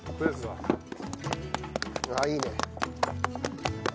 ああいいね。